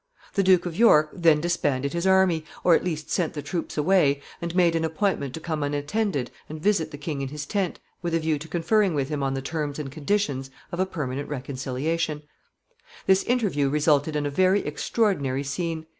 The Duke of York then disbanded his army, or at least sent the troops away, and made an appointment to come unattended and visit the king in his tent, with a view to conferring with him on the terms and conditions of a permanent reconciliation. [Sidenote: Somerset concealed.] This interview resulted in a very extraordinary scene.